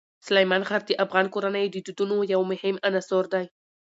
سلیمان غر د افغان کورنیو د دودونو یو مهم عنصر دی.